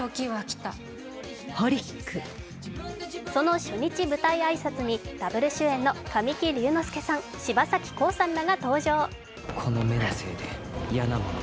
その初日舞台挨拶にダブル主演の神木隆之介さん、柴咲コウさんらが登場。